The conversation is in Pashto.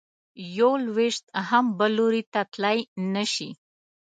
یو لویشت هم بل لوري ته تلی نه شې.